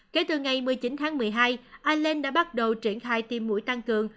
kể từ ngày một mươi chín tháng một mươi hai ireland đã bắt đầu triển khai tiêm mũi tăng cường